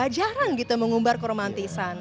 jarang gitu mengumbar ke romantisan